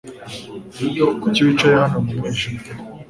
Kuki wicaye hano mu mwijima?